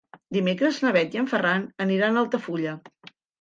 Dimecres na Bet i en Ferran aniran a Altafulla.